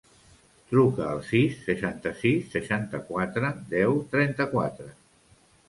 Truca al sis, seixanta-sis, seixanta-quatre, deu, trenta-quatre.